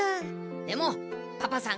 でもパパさん